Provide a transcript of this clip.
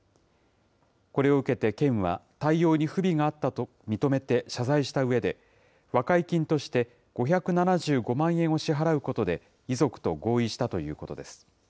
これを受けて県は、対応に不備があったと認めて謝罪したうえで、和解金として５７５万円を支払うことで遺族と合意したということです。